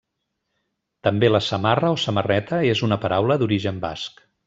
També la samarra o samarreta és una paraula d'origen basc.